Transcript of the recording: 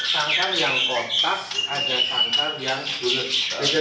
sangkan yang kotak ada sangkan yang bulet